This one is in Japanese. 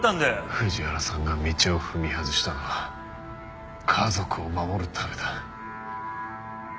藤原さんが道を踏み外したのは家族を守るためだ。